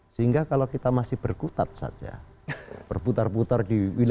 sehingga kalau kita masih berkutat saja berputar putar di wilayah